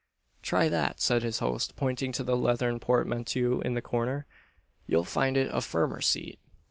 "Try that," said his host, pointing to the leathern portmanteau in the corner: "you'll find it a firmer seat."